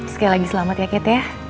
sekali lagi selamat ya kat ya